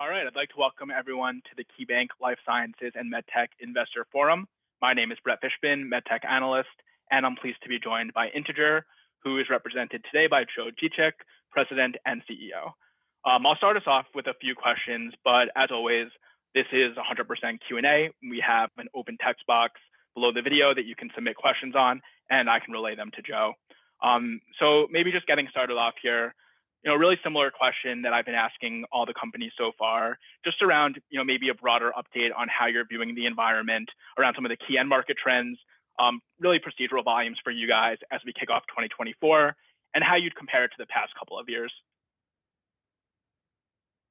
All right, I'd like to welcome everyone to the KeyBanc Life Sciences and MedTech Investor Forum. My name is Brett Fishbin, MedTech Analyst, and I'm pleased to be joined by Integer, who is represented today by Joe Dziedzic, President and CEO. I'll start us off with a few questions, but as always, this is 100% Q&A. We have an open text box below the video that you can submit questions on, and I can relay them to Joe. So maybe just getting started off here, a really similar question that I've been asking all the companies so far, just around maybe a broader update on how you're viewing the environment around some of the key end market trends, really procedural volumes for you guys as we kick off 2024, and how you'd compare it to the past couple of years.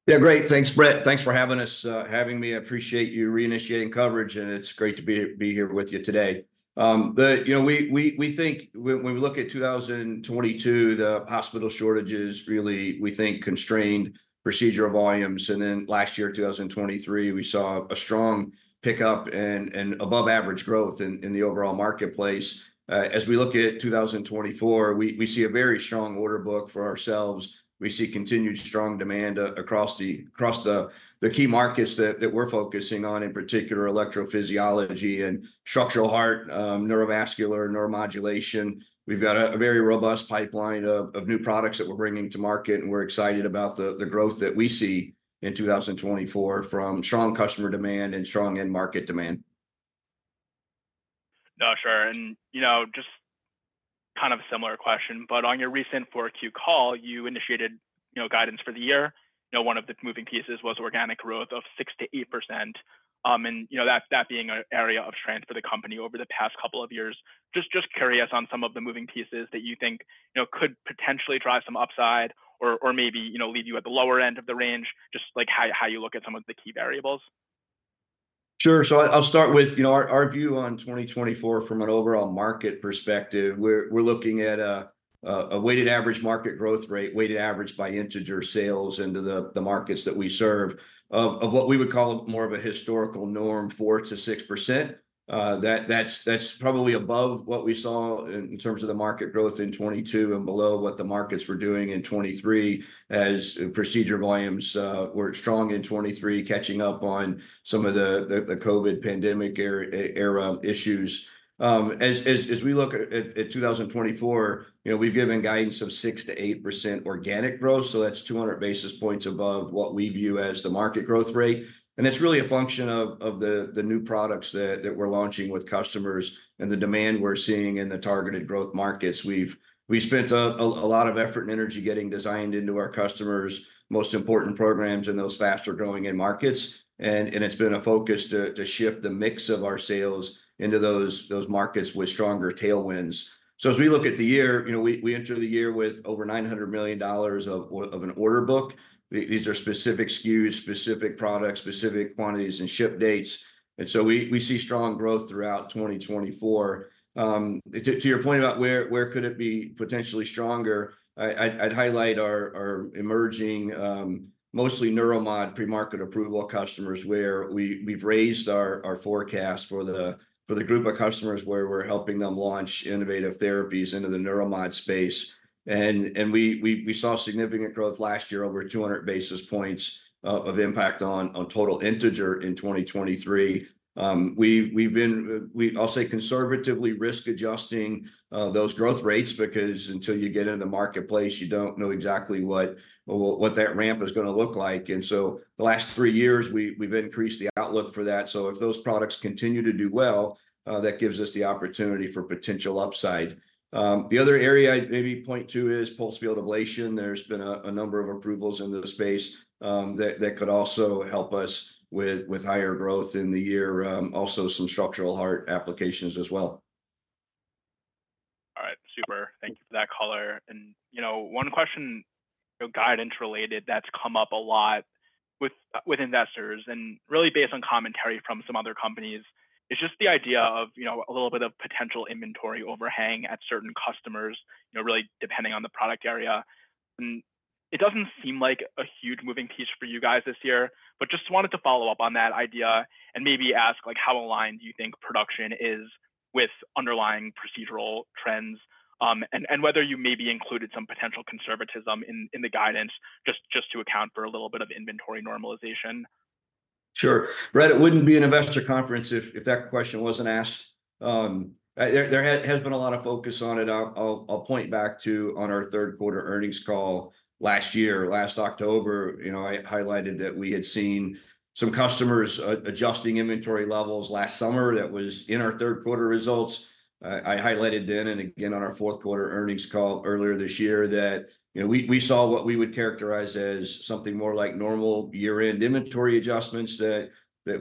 Yeah, great. Thanks, Brett. Thanks for having us, having me. I appreciate you reinitiating coverage, and it's great to be here with you today. We think when we look at 2022, the hospital shortages really, we think, constrained procedural volumes. And then last year, 2023, we saw a strong pickup and above-average growth in the overall marketplace. As we look at 2024, we see a very strong order book for ourselves. We see continued strong demand across the key markets that we're focusing on, in particular, electrophysiology and structural heart, neurovascular, neuromodulation. We've got a very robust pipeline of new products that we're bringing to market, and we're excited about the growth that we see in 2024 from strong customer demand and strong end market demand. No, sure. Just kind of a similar question, but on your recent 4Q call, you initiated guidance for the year. One of the moving pieces was organic growth of 6%-8%, and that being an area of strength for the company over the past couple of years. Just curious on some of the moving pieces that you think could potentially drive some upside or maybe leave you at the lower end of the range, just how you look at some of the key variables. Sure. So I'll start with our view on 2024 from an overall market perspective. We're looking at a weighted average market growth rate, weighted average by Integer sales into the markets that we serve, of what we would call more of a historical norm, 4%-6%. That's probably above what we saw in terms of the market growth in 2022 and below what the markets were doing in 2023 as procedure volumes were strong in 2023, catching up on some of the COVID pandemic era issues. As we look at 2024, we've given guidance of 6%-8% organic growth, so that's 200 basis points above what we view as the market growth rate. And that's really a function of the new products that we're launching with customers and the demand we're seeing in the targeted growth markets. We've spent a lot of effort and energy getting designed into our customers' most important programs in those faster-growing markets, and it's been a focus to shift the mix of our sales into those markets with stronger tailwinds. So as we look at the year, we enter the year with over $900 million of an order book. These are specific SKUs, specific products, specific quantities, and ship dates. And so we see strong growth throughout 2024. To your point about where could it be potentially stronger, I'd highlight our emerging, mostly neuromod pre-market approval customers where we've raised our forecast for the group of customers where we're helping them launch innovative therapies into the neuromod space. And we saw significant growth last year, over 200 basis points of impact on total Integer in 2023. We've been, I'll say, conservatively risk-adjusting those growth rates because until you get into the marketplace, you don't know exactly what that ramp is going to look like. And so the last three years, we've increased the outlook for that. So if those products continue to do well, that gives us the opportunity for potential upside. The other area I'd maybe point to is Pulse Field Ablation. There's been a number of approvals in the space that could also help us with higher growth in the year, also some structural heart applications as well. All right, super. Thank you for that caller. And one question, guidance-related, that's come up a lot with investors and really based on commentary from some other companies, is just the idea of a little bit of potential inventory overhang at certain customers, really depending on the product area. And it doesn't seem like a huge moving piece for you guys this year, but just wanted to follow up on that idea and maybe ask how aligned do you think production is with underlying procedural trends and whether you maybe included some potential conservatism in the guidance just to account for a little bit of inventory normalization. Sure. Brett, it wouldn't be an investor conference if that question wasn't asked. There has been a lot of focus on it. I'll point back to on our third-quarter earnings call last year, last October, I highlighted that we had seen some customers adjusting inventory levels last summer that was in our third-quarter results. I highlighted then and again on our fourth-quarter earnings call earlier this year that we saw what we would characterize as something more like normal year-end inventory adjustments that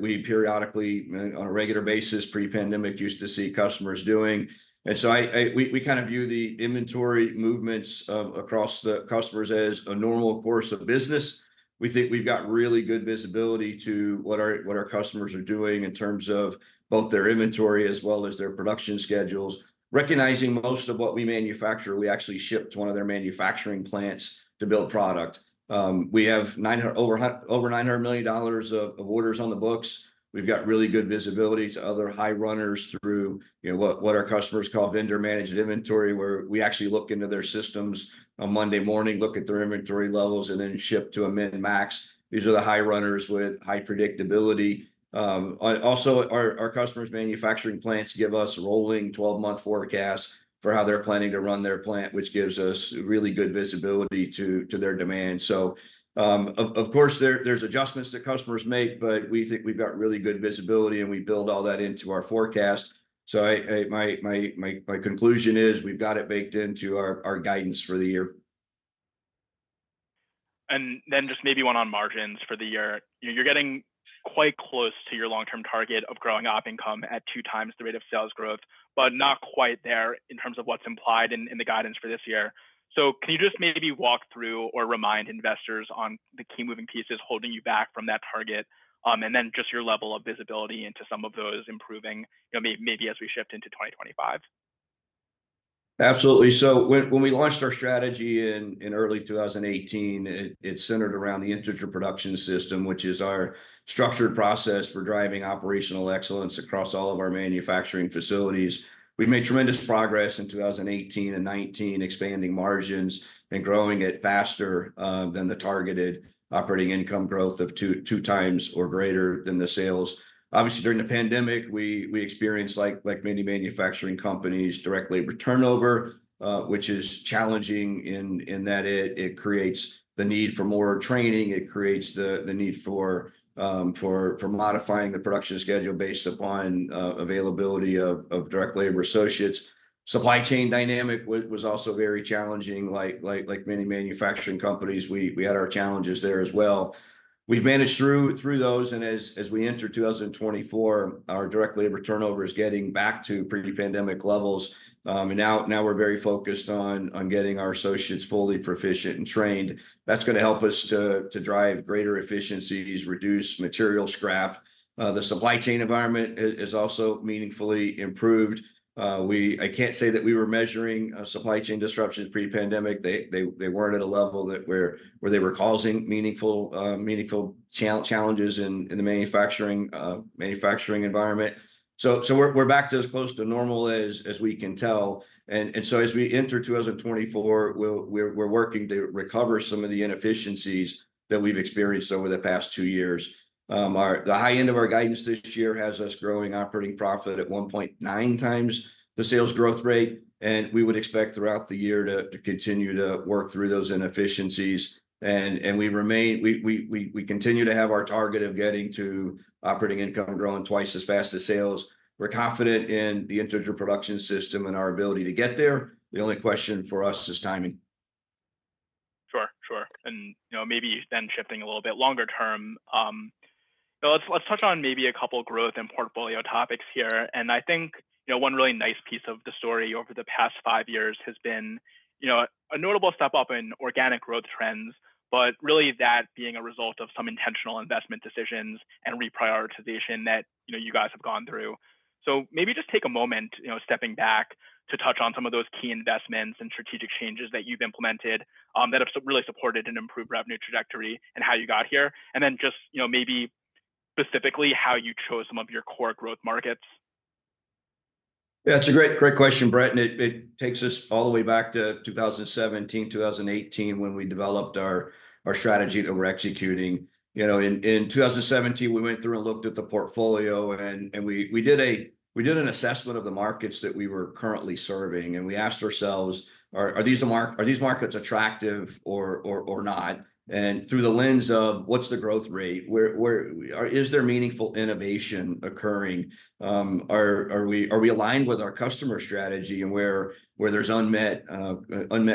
we periodically, on a regular basis, pre-pandemic used to see customers doing. And so we kind of view the inventory movements across the customers as a normal course of business. We think we've got really good visibility to what our customers are doing in terms of both their inventory as well as their production schedules. Recognizing most of what we manufacture, we actually shipped to one of their manufacturing plants to build product. We have over $900 million of orders on the books. We've got really good visibility to other high runners through what our customers call vendor-managed inventory, where we actually look into their systems on Monday morning, look at their inventory levels, and then ship to a min-max. These are the high runners with high predictability. Also, our customers' manufacturing plants give us rolling 12-month forecasts for how they're planning to run their plant, which gives us really good visibility to their demand. So of course, there's adjustments that customers make, but we think we've got really good visibility, and we build all that into our forecast. So my conclusion is we've got it baked into our guidance for the year. Then just maybe one on margins for the year. You're getting quite close to your long-term target of growing op income at two times the rate of sales growth, but not quite there in terms of what's implied in the guidance for this year. Can you just maybe walk through or remind investors on the key moving pieces holding you back from that target, and then just your level of visibility into some of those improving maybe as we shift into 2025? Absolutely. So when we launched our strategy in early 2018, it centered around the Integer Production System, which is our structured process for driving operational excellence across all of our manufacturing facilities. We've made tremendous progress in 2018 and 2019, expanding margins and growing it faster than the targeted operating income growth of two times or greater than the sales. Obviously, during the pandemic, we experienced, like many manufacturing companies, direct labor turnover, which is challenging in that it creates the need for more training. It creates the need for modifying the production schedule based upon availability of direct labor associates. Supply chain dynamic was also very challenging. Like many manufacturing companies, we had our challenges there as well. We've managed through those. And as we enter 2024, our direct labor turnover is getting back to pre-pandemic levels. Now we're very focused on getting our associates fully proficient and trained. That's going to help us to drive greater efficiencies, reduce material scrap. The supply chain environment is also meaningfully improved. I can't say that we were measuring supply chain disruptions pre-pandemic. They weren't at a level where they were causing meaningful challenges in the manufacturing environment. We're back to as close to normal as we can tell. As we enter 2024, we're working to recover some of the inefficiencies that we've experienced over the past two years. The high end of our guidance this year has us growing operating profit at 1.9 times the sales growth rate. We would expect throughout the year to continue to work through those inefficiencies. We continue to have our target of getting to operating income growing twice as fast as sales. We're confident in the Integer Production System and our ability to get there. The only question for us is timing. Sure, sure. And maybe then shifting a little bit longer term, let's touch on maybe a couple of growth and portfolio topics here. And I think one really nice piece of the story over the past five years has been a notable step up in organic growth trends, but really that being a result of some intentional investment decisions and reprioritization that you guys have gone through. So maybe just take a moment stepping back to touch on some of those key investments and strategic changes that you've implemented that have really supported an improved revenue trajectory and how you got here, and then just maybe specifically how you chose some of your core growth markets. Yeah, that's a great question, Brett. It takes us all the way back to 2017, 2018, when we developed our strategy that we're executing. In 2017, we went through and looked at the portfolio, and we did an assessment of the markets that we were currently serving. We asked ourselves, are these markets attractive or not? Through the lens of what's the growth rate, is there meaningful innovation occurring? Are we aligned with our customer strategy and where there's unmet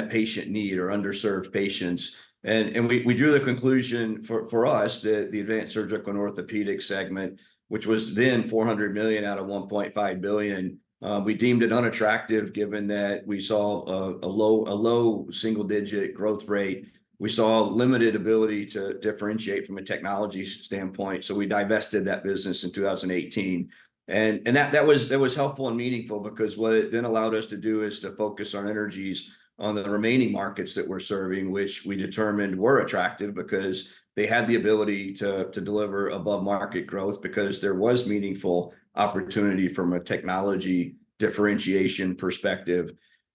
patient need or underserved patients? We drew the conclusion for us that the advanced surgical and orthopedic segment, which was then $400 million out of $1.5 billion, we deemed it unattractive given that we saw a low single-digit growth rate. We saw limited ability to differentiate from a technology standpoint. We divested that business in 2018. That was helpful and meaningful because what it then allowed us to do is to focus our energies on the remaining markets that we're serving, which we determined were attractive because they had the ability to deliver above-market growth because there was meaningful opportunity from a technology differentiation perspective.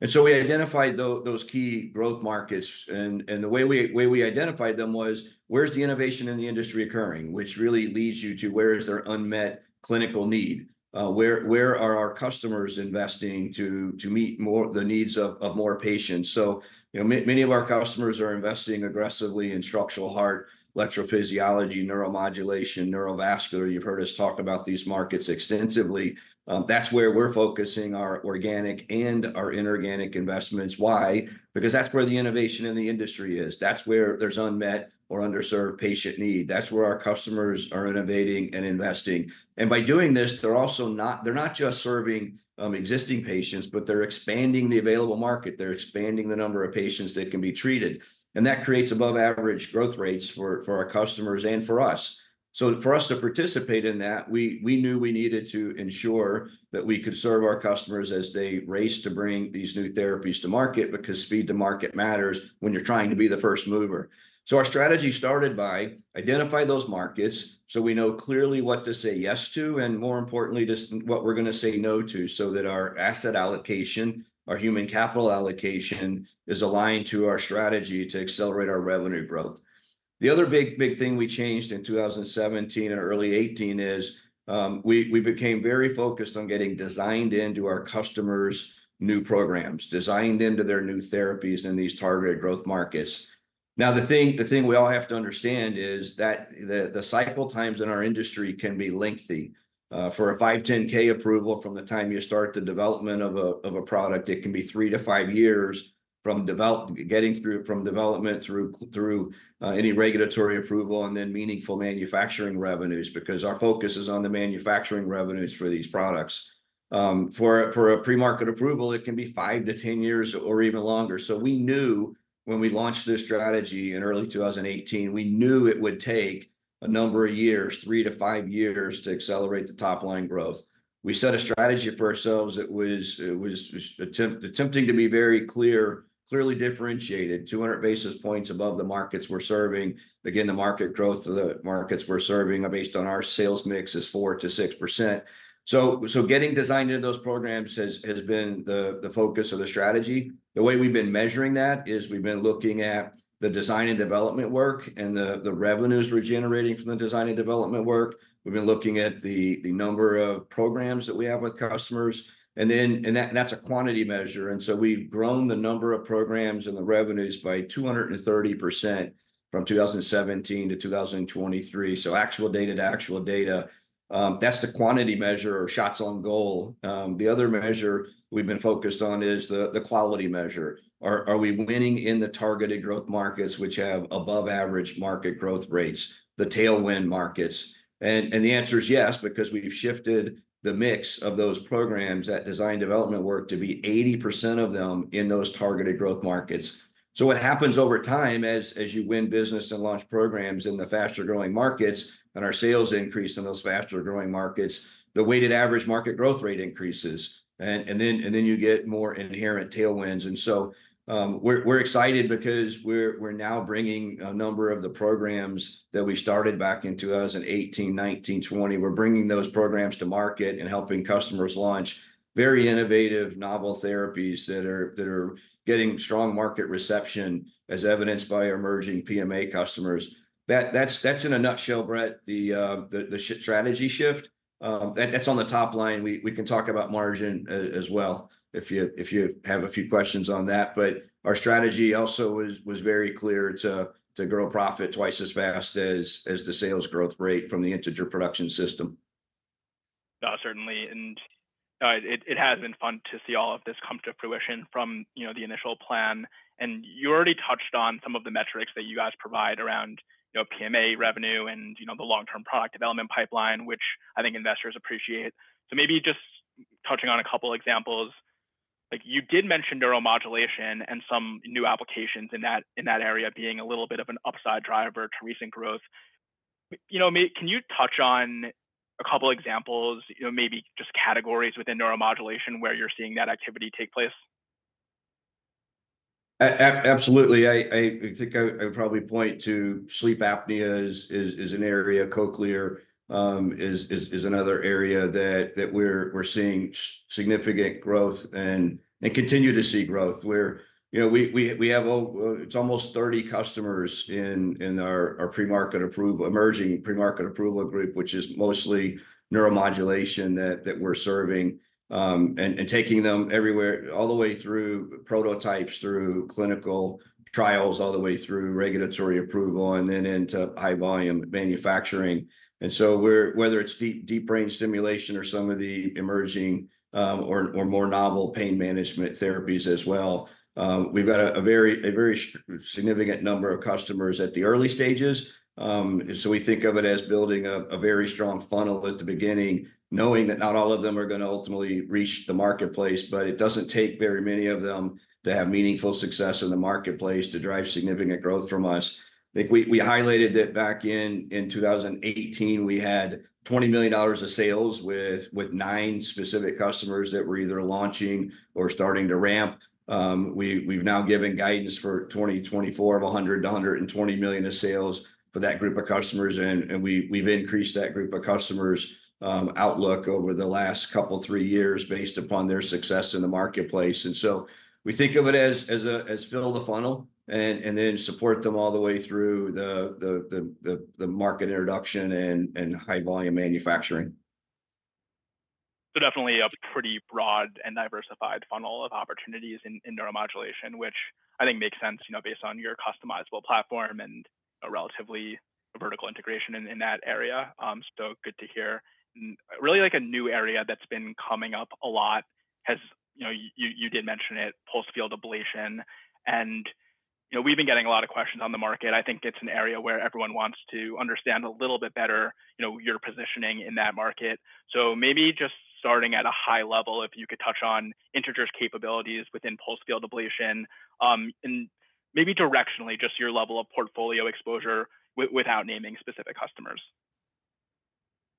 So we identified those key growth markets. The way we identified them was where's the innovation in the industry occurring, which really leads you to where is there unmet clinical need? Where are our customers investing to meet the needs of more patients? So many of our customers are investing aggressively in structural heart, electrophysiology, neuromodulation, neurovascular. You've heard us talk about these markets extensively. That's where we're focusing our organic and our inorganic investments. Why? Because that's where the innovation in the industry is. That's where there's unmet or underserved patient need. That's where our customers are innovating and investing. By doing this, they're not just serving existing patients, but they're expanding the available market. They're expanding the number of patients that can be treated. That creates above-average growth rates for our customers and for us. So for us to participate in that, we knew we needed to ensure that we could serve our customers as they race to bring these new therapies to market because speed to market matters when you're trying to be the first mover. So our strategy started by identifying those markets so we know clearly what to say yes to and, more importantly, what we're going to say no to so that our asset allocation, our human capital allocation, is aligned to our strategy to accelerate our revenue growth. The other big thing we changed in 2017 and early 2018 is we became very focused on getting designed into our customers' new programs, designed into their new therapies in these targeted growth markets. Now, the thing we all have to understand is that the cycle times in our industry can be lengthy. For a 510(k) approval from the time you start the development of a product, it can be 3-5 years from getting through from development through any regulatory approval and then meaningful manufacturing revenues because our focus is on the manufacturing revenues for these products. For a pre-market approval, it can be 5-10 years or even longer. So we knew when we launched this strategy in early 2018, we knew it would take a number of years, 3-5 years, to accelerate the top-line growth. We set a strategy for ourselves that was attempting to be very clearly differentiated. 200 basis points above the markets we're serving. Again, the market growth of the markets we're serving based on our sales mix is 4%-6%. So getting designed into those programs has been the focus of the strategy. The way we've been measuring that is we've been looking at the design and development work and the revenues we're generating from the design and development work. We've been looking at the number of programs that we have with customers. That's a quantity measure. So we've grown the number of programs and the revenues by 230% from 2017 to 2023. So actual data to actual data, that's the quantity measure or shots on goal. The other measure we've been focused on is the quality measure. Are we winning in the targeted growth markets, which have above-average market growth rates, the tailwind markets? And the answer is yes because we've shifted the mix of those programs at design and development work to be 80% of them in those targeted growth markets. So what happens over time as you win business and launch programs in the faster-growing markets and our sales increase in those faster-growing markets, the weighted average market growth rate increases. And then you get more inherent tailwinds. And so we're excited because we're now bringing a number of the programs that we started back in 2018, 2019, 2020. We're bringing those programs to market and helping customers launch very innovative, novel therapies that are getting strong market reception, as evidenced by our emerging PMA customers. That's in a nutshell, Brett, the strategy shift. That's on the top line. We can talk about margin as well if you have a few questions on that. But our strategy also was very clear to grow profit twice as fast as the sales growth rate from the Integer Production System. No, certainly. And it has been fun to see all of this come to fruition from the initial plan. And you already touched on some of the metrics that you guys provide around PMA revenue and the long-term product development pipeline, which I think investors appreciate. So maybe just touching on a couple of examples. You did mention neuromodulation and some new applications in that area being a little bit of an upside driver to recent growth. Can you touch on a couple of examples, maybe just categories within neuromodulation where you're seeing that activity take place? Absolutely. I think I would probably point to sleep apnea as an area. Cochlear is another area that we're seeing significant growth and continue to see growth. We have almost 30 customers in our emerging pre-market approval group, which is mostly neuromodulation that we're serving and taking them all the way through prototypes, through clinical trials, all the way through regulatory approval, and then into high-volume manufacturing. And so whether it's deep brain stimulation or some of the emerging or more novel pain management therapies as well, we've got a very significant number of customers at the early stages. So we think of it as building a very strong funnel at the beginning, knowing that not all of them are going to ultimately reach the marketplace, but it doesn't take very many of them to have meaningful success in the marketplace to drive significant growth from us. I think we highlighted that back in 2018, we had $20 million of sales with nine specific customers that were either launching or starting to ramp. We've now given guidance for 2024 of $100-$120 million of sales for that group of customers. And we've increased that group of customers' outlook over the last couple, three years based upon their success in the marketplace. And so we think of it as fill the funnel and then support them all the way through the market introduction and high-volume manufacturing. So definitely a pretty broad and diversified funnel of opportunities in neuromodulation, which I think makes sense based on your customizable platform and relatively vertical integration in that area. So good to hear. Really like a new area that's been coming up a lot has you did mention it, Pulse Field Ablation. And we've been getting a lot of questions on the market. I think it's an area where everyone wants to understand a little bit better your positioning in that market. So maybe just starting at a high level, if you could touch on Integer's capabilities within Pulse Field Ablation and maybe directionally just your level of portfolio exposure without naming specific customers.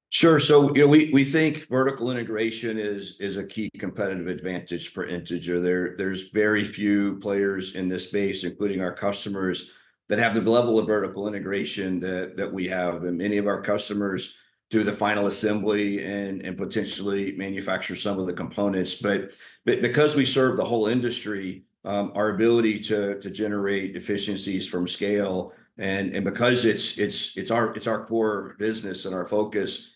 Sure. So we think vertical integration is a key competitive advantage for Integer. There's very few players in this space, including our customers, that have the level of vertical integration that we have. And many of our customers do the final assembly and potentially manufacture some of the components. But because we serve the whole industry, our ability to generate efficiencies from scale and because it's our core business and our focus,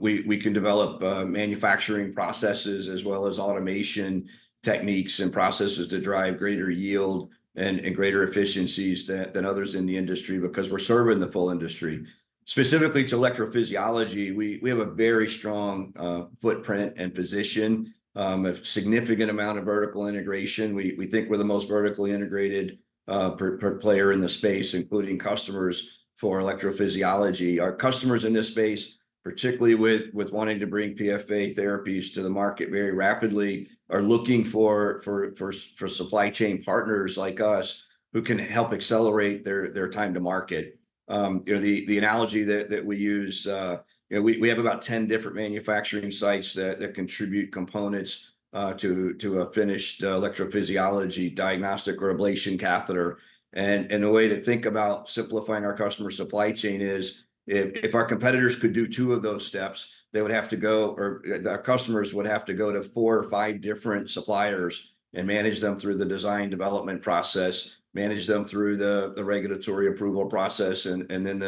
we can develop manufacturing processes as well as automation techniques and processes to drive greater yield and greater efficiencies than others in the industry because we're serving the full industry. Specifically to electrophysiology, we have a very strong footprint and position, a significant amount of vertical integration. We think we're the most vertically integrated player in the space, including customers for electrophysiology. Our customers in this space, particularly with wanting to bring PFA therapies to the market very rapidly, are looking for supply chain partners like us who can help accelerate their time to market. The analogy that we use, we have about 10 different manufacturing sites that contribute components to a finished electrophysiology diagnostic or ablation catheter. The way to think about simplifying our customer supply chain is if our competitors could do two of those steps, they would have to go or our customers would have to go to four or five different suppliers and manage them through the design development process, manage them through the regulatory approval process, and then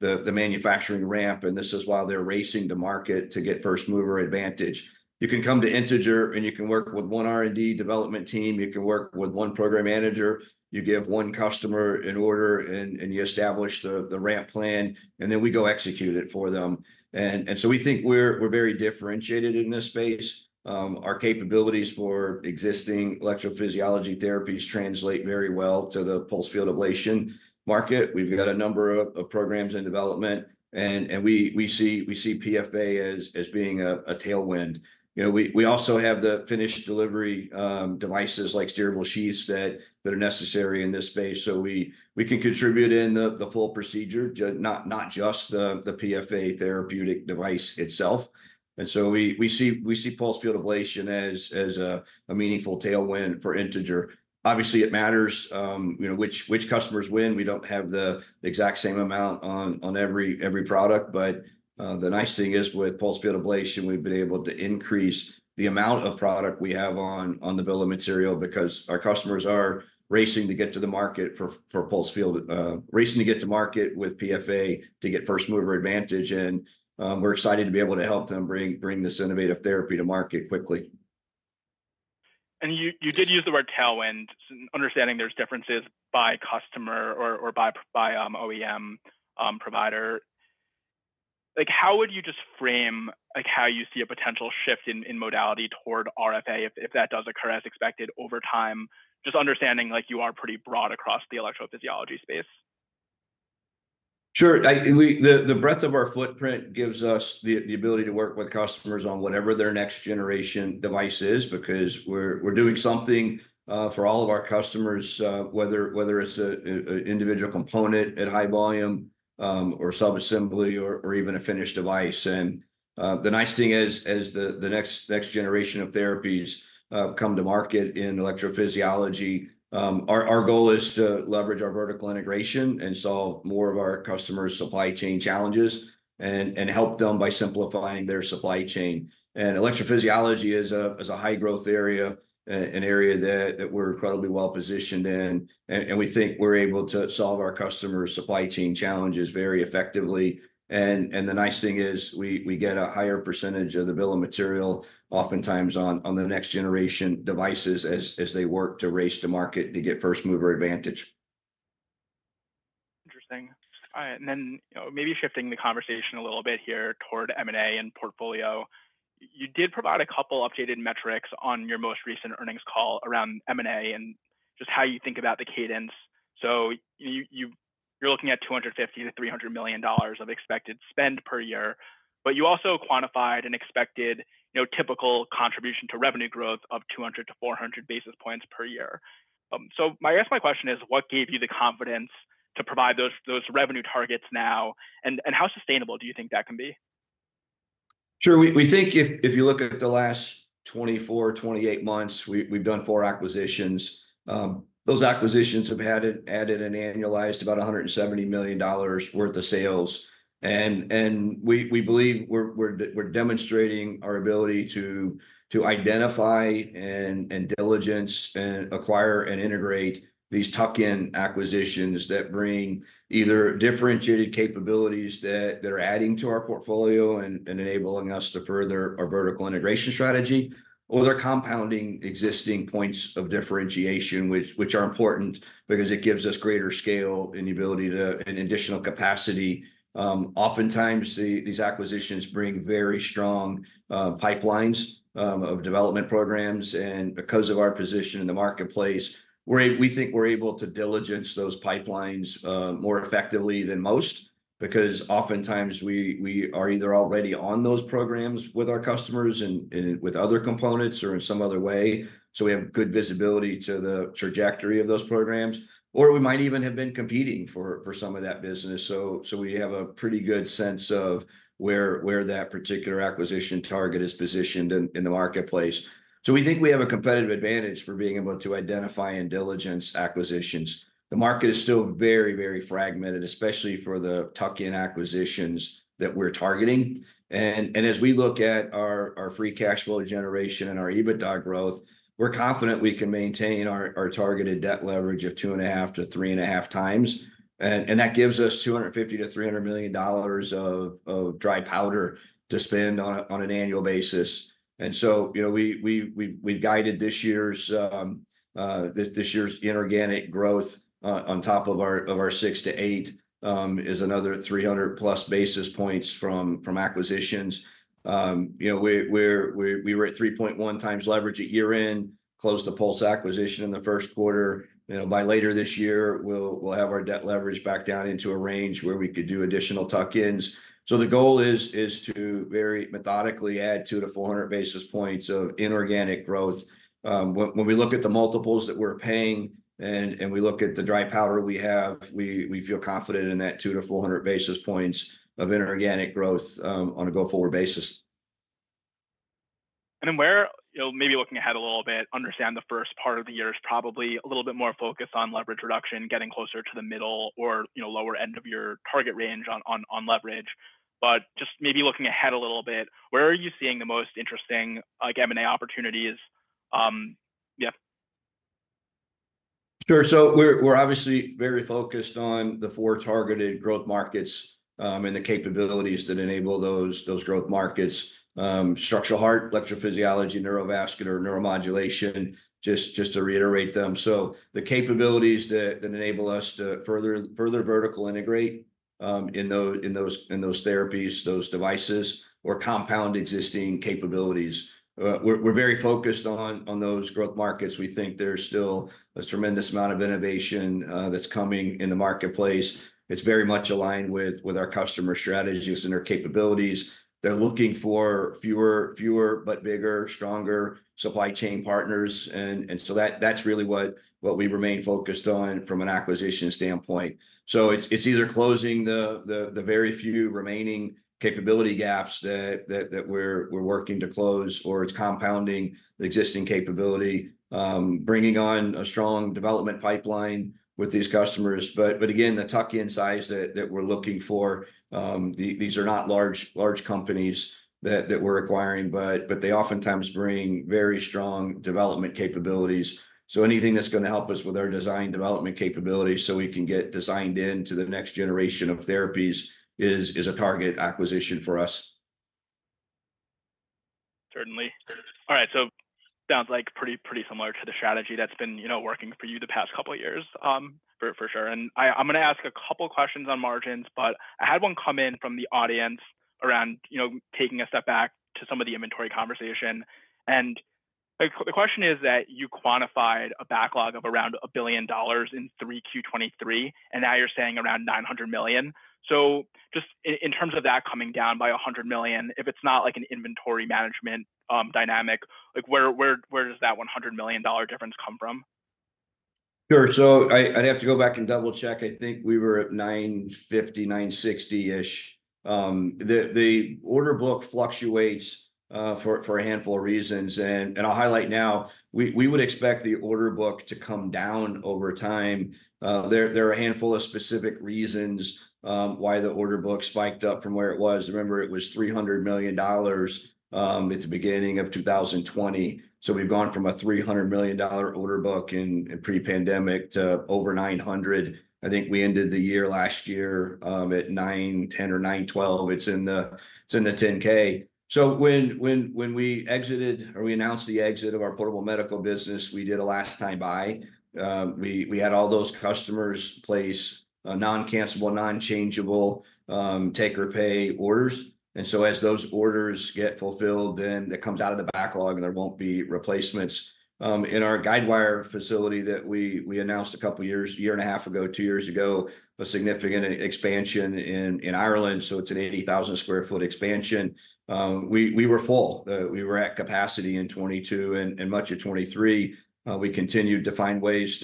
the manufacturing ramp. This is while they're racing to market to get first mover advantage. You can come to Integer and you can work with one R&D development team. You can work with one program manager. You give one customer an order and you establish the ramp plan. And then we go execute it for them. And so we think we're very differentiated in this space. Our capabilities for existing electrophysiology therapies translate very well to the Pulse Field Ablation market. We've got a number of programs in development. And we see PFA as being a tailwind. We also have the finished delivery devices like steerable sheaths that are necessary in this space. So we can contribute in the full procedure, not just the PFA therapeutic device itself. And so we see Pulse Field Ablation as a meaningful tailwind for Integer. Obviously, it matters which customers win. We don't have the exact same amount on every product. But the nice thing is with Pulse Field Ablation, we've been able to increase the amount of product we have on the bill of material because our customers are racing to get to market with PFA to get first mover advantage. And we're excited to be able to help them bring this innovative therapy to market quickly. You did use the word tailwind, understanding there's differences by customer or by OEM provider. How would you just frame how you see a potential shift in modality toward RFA if that does occur as expected over time? Just understanding you are pretty broad across the electrophysiology space. Sure. The breadth of our footprint gives us the ability to work with customers on whatever their next generation device is because we're doing something for all of our customers, whether it's an individual component at high volume or subassembly or even a finished device. And the nice thing as the next generation of therapies come to market in electrophysiology, our goal is to leverage our vertical integration and solve more of our customers' supply chain challenges and help them by simplifying their supply chain. And electrophysiology is a high-growth area, an area that we're incredibly well-positioned in. And we think we're able to solve our customers' supply chain challenges very effectively. And the nice thing is we get a higher percentage of the bill of material oftentimes on the next generation devices as they work to race to market to get first mover advantage. Interesting. All right. And then maybe shifting the conversation a little bit here toward M&A and portfolio. You did provide a couple of updated metrics on your most recent earnings call around M&A and just how you think about the cadence. So you're looking at $250-$300 million of expected spend per year. But you also quantified an expected typical contribution to revenue growth of 200-400 basis points per year. So I guess my question is, what gave you the confidence to provide those revenue targets now? And how sustainable do you think that can be? Sure. We think if you look at the last 24-28 months, we've done four acquisitions. Those acquisitions have added an annualized about $170 million worth of sales. We believe we're demonstrating our ability to identify and diligence and acquire and integrate these tuck-in acquisitions that bring either differentiated capabilities that are adding to our portfolio and enabling us to further our vertical integration strategy or they're compounding existing points of differentiation, which are important because it gives us greater scale and additional capacity. Oftentimes, these acquisitions bring very strong pipelines of development programs. Because of our position in the marketplace, we think we're able to diligence those pipelines more effectively than most because oftentimes, we are either already on those programs with our customers and with other components or in some other way. So we have good visibility to the trajectory of those programs. Or we might even have been competing for some of that business. So we have a pretty good sense of where that particular acquisition target is positioned in the marketplace. So we think we have a competitive advantage for being able to identify and diligence acquisitions. The market is still very, very fragmented, especially for the tuck-in acquisitions that we're targeting. And as we look at our free cash flow generation and our EBITDA growth, we're confident we can maintain our targeted debt leverage of 2.5-3.5 times. And that gives us $250-$300 million of dry powder to spend on an annual basis. And so we've guided this year's inorganic growth on top of our six-eight is another 300+ basis points from acquisitions. We were at 3.1x leverage at year-end, close to Pulse acquisition in the first quarter. By later this year, we'll have our debt leverage back down into a range where we could do additional tuck-ins. So the goal is to very methodically add 2-400 basis points of inorganic growth. When we look at the multiples that we're paying and we look at the dry powder we have, we feel confident in that 2-400 basis points of inorganic growth on a go-forward basis. Then maybe looking ahead a little bit, understand the first part of the year is probably a little bit more focused on leverage reduction, getting closer to the middle or lower end of your target range on leverage. Just maybe looking ahead a little bit, where are you seeing the most interesting M&A opportunities? Yeah. Sure. So we're obviously very focused on the four targeted growth markets and the capabilities that enable those growth markets: structural heart, electrophysiology, neurovascular, neuromodulation, just to reiterate them. So the capabilities that enable us to further vertical integrate in those therapies, those devices, or compound existing capabilities. We're very focused on those growth markets. We think there's still a tremendous amount of innovation that's coming in the marketplace. It's very much aligned with our customer strategies and their capabilities. They're looking for fewer but bigger, stronger supply chain partners. And so that's really what we remain focused on from an acquisition standpoint. So it's either closing the very few remaining capability gaps that we're working to close or it's compounding the existing capability, bringing on a strong development pipeline with these customers. But again, the tuck-in size that we're looking for, these are not large companies that we're acquiring, but they oftentimes bring very strong development capabilities. So anything that's going to help us with our design development capabilities so we can get designed into the next generation of therapies is a target acquisition for us. Certainly. All right. So sounds like pretty similar to the strategy that's been working for you the past couple of years, for sure. And I'm going to ask a couple of questions on margins, but I had one come in from the audience around taking a step back to some of the inventory conversation. And the question is that you quantified a backlog of around $1 billion in 3Q23, and now you're saying around $900 million. So just in terms of that coming down by $100 million, if it's not like an inventory management dynamic, where does that $100 million difference come from? Sure. So I'd have to go back and double-check. I think we were at $950 million, $960 million-ish. The order book fluctuates for a handful of reasons. I'll highlight now, we would expect the order book to come down over time. There are a handful of specific reasons why the order book spiked up from where it was. Remember, it was $300 million at the beginning of 2020. So we've gone from a $300 million order book in pre-pandemic to over $900 million. I think we ended the year last year at $900 million, $910 million, or $912 million. It's in the 10-K. So when we exited or we announced the exit of our Portable Medical Business, we did a last-time buy. We had all those customers place non-cancellable, non-changeable take-or-pay orders. So as those orders get fulfilled, then that comes out of the backlog and there won't be replacements. In our guidewire facility that we announced a couple of years, a year and a half ago, two years ago, a significant expansion in Ireland. So it's an 80,000 sq ft expansion. We were full. We were at capacity in 2022 and much of 2023. We continued to find ways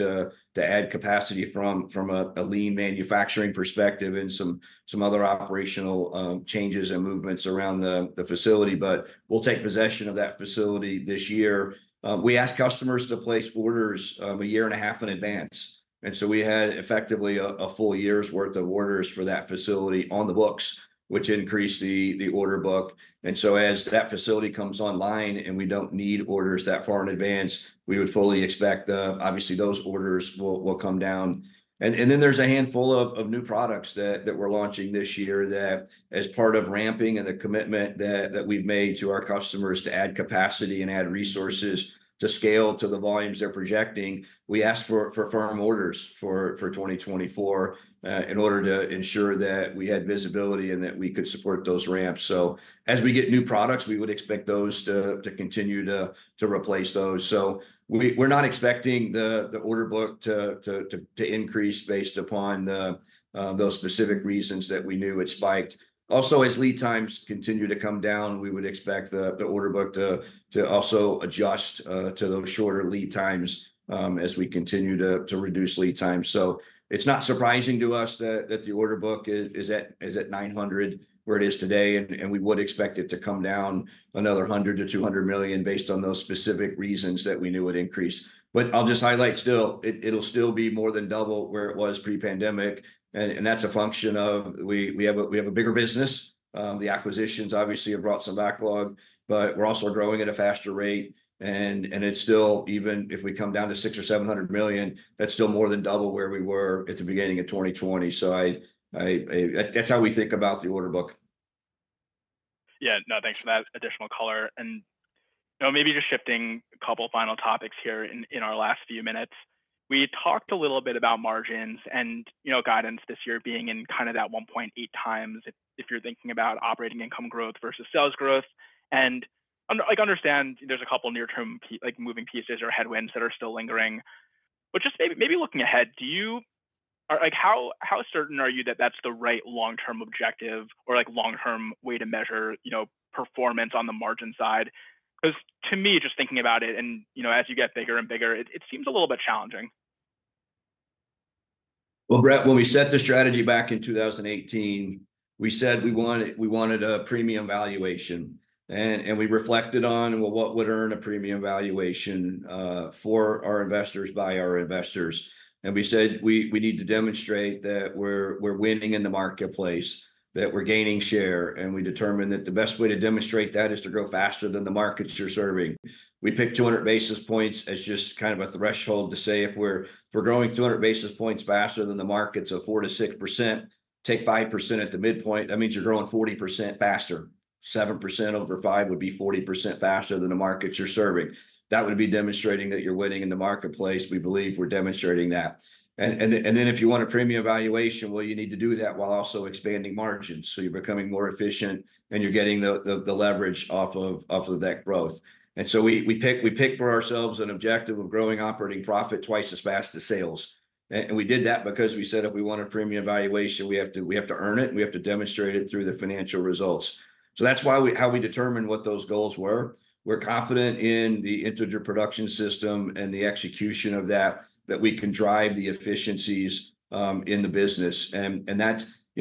to add capacity from a lean manufacturing perspective and some other operational changes and movements around the facility. But we'll take possession of that facility this year. We ask customers to place orders a year and a half in advance. And so we had effectively a full year's worth of orders for that facility on the books, which increased the order book. And so as that facility comes online and we don't need orders that far in advance, we would fully expect, obviously, those orders will come down. Then there's a handful of new products that we're launching this year that, as part of ramping and the commitment that we've made to our customers to add capacity and add resources to scale to the volumes they're projecting, we asked for firm orders for 2024 in order to ensure that we had visibility and that we could support those ramps. As we get new products, we would expect those to continue to replace those. We're not expecting the order book to increase based upon those specific reasons that we knew it spiked. Also, as lead times continue to come down, we would expect the order book to also adjust to those shorter lead times as we continue to reduce lead times. It's not surprising to us that the order book is at $900 where it is today. We would expect it to come down another $100 million-$200 million based on those specific reasons that we knew would increase. But I'll just highlight still, it'll still be more than double where it was pre-pandemic. That's a function of we have a bigger business. The acquisitions obviously have brought some backlog. But we're also growing at a faster rate. Even if we come down to $600 million or $700 million, that's still more than double where we were at the beginning of 2020. That's how we think about the order book. Yeah. No, thanks for that additional color. And maybe just shifting a couple of final topics here in our last few minutes. We talked a little bit about margins and guidance this year being in kind of that 1.8 times if you're thinking about operating income growth versus sales growth. And I understand there's a couple of near-term moving pieces or headwinds that are still lingering. But just maybe looking ahead, how certain are you that that's the right long-term objective or long-term way to measure performance on the margin side? Because to me, just thinking about it, and as you get bigger and bigger, it seems a little bit challenging. Well, Brett, when we set the strategy back in 2018, we said we wanted a premium valuation. And we reflected on what would earn a premium valuation for our investors by our investors. And we said we need to demonstrate that we're winning in the marketplace, that we're gaining share. And we determined that the best way to demonstrate that is to grow faster than the markets you're serving. We picked 200 basis points as just kind of a threshold to say if we're growing 200 basis points faster than the markets of 4%-6%, take 5% at the midpoint. That means you're growing 40% faster. 7% over 5% would be 40% faster than the markets you're serving. That would be demonstrating that you're winning in the marketplace. We believe we're demonstrating that. And then if you want a premium valuation, well, you need to do that while also expanding margins. So you're becoming more efficient and you're getting the leverage off of that growth. And so we pick for ourselves an objective of growing operating profit twice as fast as sales. And we did that because we said if we want a premium valuation, we have to earn it. We have to demonstrate it through the financial results. So that's how we determine what those goals were. We're confident in the Integer Production System and the execution of that, that we can drive the efficiencies in the business. And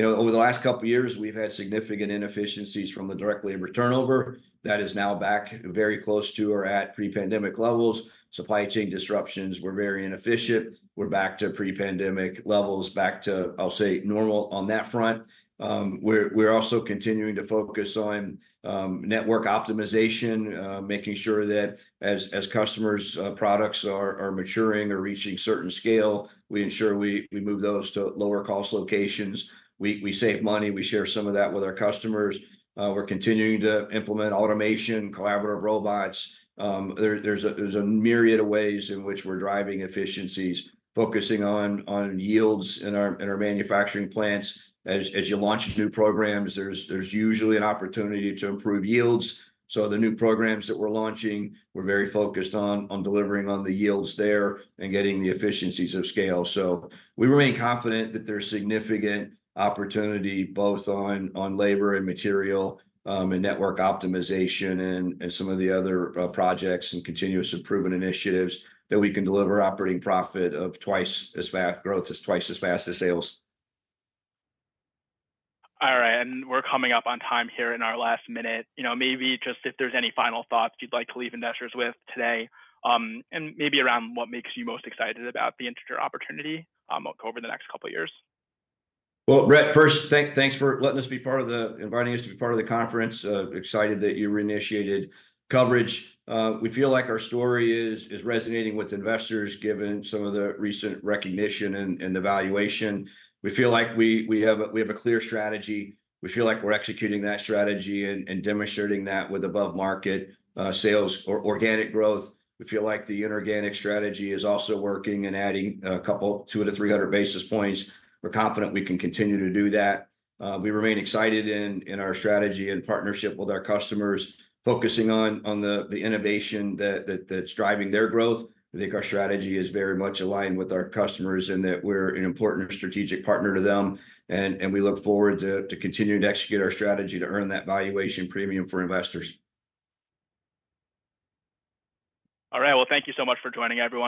over the last couple of years, we've had significant inefficiencies from the direct labor turnover. That is now back very close to or at pre-pandemic levels. Supply chain disruptions, we're very inefficient. We're back to pre-pandemic levels, back to, I'll say, normal on that front. We're also continuing to focus on network optimization, making sure that as customers' products are maturing or reaching certain scale, we ensure we move those to lower cost locations. We save money. We share some of that with our customers. We're continuing to implement automation, collaborative robots. There's a myriad of ways in which we're driving efficiencies, focusing on yields in our manufacturing plants. As you launch new programs, there's usually an opportunity to improve yields. So the new programs that we're launching, we're very focused on delivering on the yields there and getting the efficiencies of scale. We remain confident that there's significant opportunity both on labor and material and network optimization and some of the other projects and continuous improvement initiatives that we can deliver operating profit of twice as fast growth as twice as fast as sales. All right. We're coming up on time here in our last minute. Maybe just if there's any final thoughts you'd like to leave investors with today and maybe around what makes you most excited about the Integer opportunity over the next couple of years. Well, Brett, first, thanks for inviting us to be part of the conference. Excited that you reinitiated coverage. We feel like our story is resonating with investors given some of the recent recognition and the valuation. We feel like we have a clear strategy. We feel like we're executing that strategy and demonstrating that with above-market sales or organic growth. We feel like the inorganic strategy is also working and adding a couple of 200-300 basis points. We're confident we can continue to do that. We remain excited in our strategy and partnership with our customers, focusing on the innovation that's driving their growth. I think our strategy is very much aligned with our customers and that we're an important strategic partner to them. And we look forward to continuing to execute our strategy to earn that valuation premium for investors. All right. Well, thank you so much for joining everyone.